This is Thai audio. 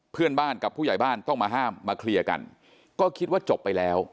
เพื่อนบ้านกับผู้ใหญ่บ้านต้องมาห้ามมาเคลียร์กันก็คิดว่าจบไปแล้ว